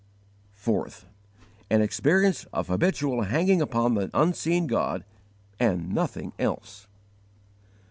4. An experience of habitual hanging upon the unseen God and nothing else.